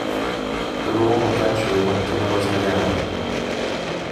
The role eventually went to Rose McGowan.